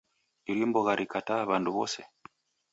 Iri mbogha rikataa w'andu w'ose?